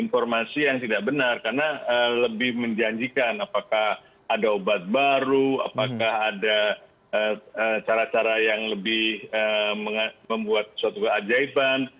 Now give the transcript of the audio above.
informasi yang tidak benar karena lebih menjanjikan apakah ada obat baru apakah ada cara cara yang lebih membuat suatu keajaiban